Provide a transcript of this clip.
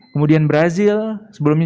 kemudian brazil sebelumnya